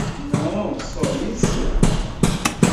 Não só isso.